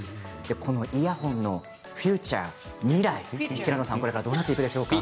このイヤホンのフューチャー未来、どうなっていくでしょうか。